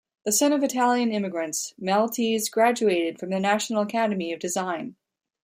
The son of Italian immigrants, Maltese graduated from the National Academy of Design.